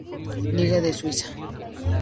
Liga de Suiza.